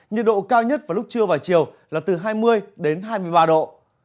nhiệt độ cao nhất vào lúc trưa và chiều là từ hai mươi đến hai mươi ba độ